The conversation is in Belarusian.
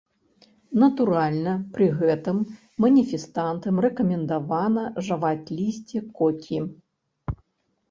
Натуральна, пры гэтым маніфестантам рэкамендавана жаваць лісце кокі.